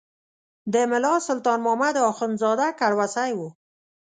د ملا سلطان محمد اخندزاده کړوسی و.